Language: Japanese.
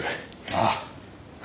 ああ。